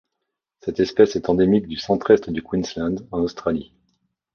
Cette espèce est endémique du Centre-Est du Queensland en Australie.